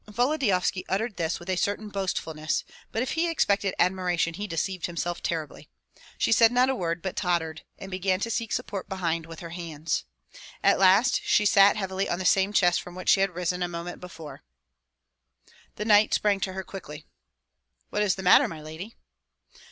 Volodyovski uttered this with a certain boastfulness; but if he expected admiration he deceived himself terribly. She said not a word, but tottered and began to seek support behind with her hands. At last she sat heavily on the same chest from which she had risen a moment before. The knight sprang to her quickly: "What is the matter, my lady?"